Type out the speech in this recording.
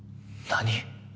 何？